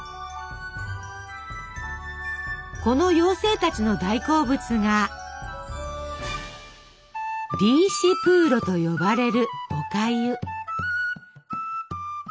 この妖精たちの大好物が「リーシプーロ」と呼ばれるおかゆ。